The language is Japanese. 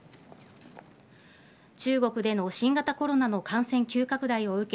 中国での新型コロナの感染急拡大を受け